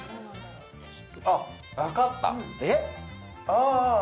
あっ分かったえっ？